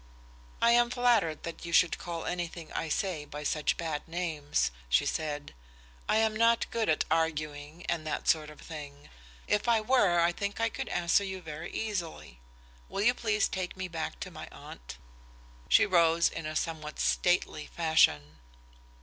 "I am flattered that you should call anything I say by such bad names," she said. "I am not good at arguing and that sort of thing. If I were I think I could answer you very easily. Will you please take me back to my aunt?" She rose in a somewhat stately fashion.